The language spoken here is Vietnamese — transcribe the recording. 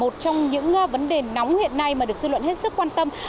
một trong những vấn đề nóng hiện nay mà được dư luận hết sức quan tâm